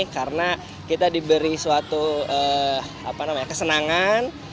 karena kita diberi suatu kesenangan